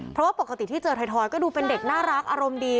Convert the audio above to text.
เพราะว่าปกติที่เจอถอยก็ดูเป็นเด็กน่ารักอารมณ์ดี